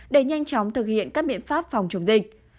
để nhanh chóng thực hiện các biện pháp phòng chống dịch